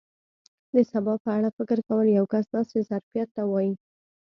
د سبا په اړه فکر کول یو کس داسې ظرفیت ته وایي.